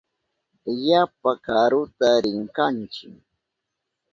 Yapa karuta rinkanchi.